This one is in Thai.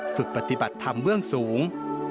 ฝึกปฏิบัติธรรมเบื้องสูง